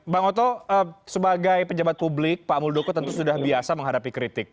bang oto sebagai pejabat publik pak muldoko tentu sudah biasa menghadapi kritik